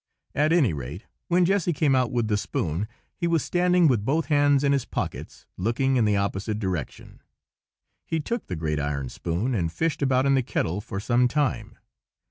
At any rate, when Jessy came out with the spoon, he was standing with both hands in his pockets, looking in the opposite direction. He took the great iron spoon and fished about in the kettle for some time.